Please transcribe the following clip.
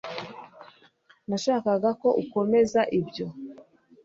nashakaga ko ukomeza ibyo